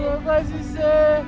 terima kasih sheikh